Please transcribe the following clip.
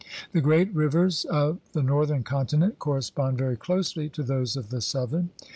The great rivers of the northern continent correspond very closely to those of the southern.